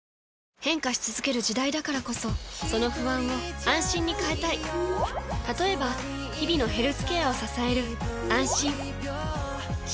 変化し続ける時代だからこそその不安を「あんしん」に変えたい例えば日々のヘルスケアを支える「あんしん」